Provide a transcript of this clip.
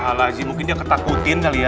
wah alaizy mungkin dia ketakutin kali ya